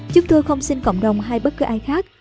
chúng tôi không xin cộng đồng hay bất cứ ai khác